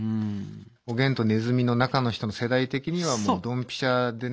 おげんとねずみの中の人の世代的にはドンピシャでね